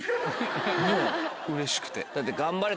もううれしくて。